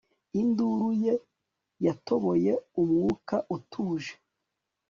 induru ye yatoboye umwuka utuje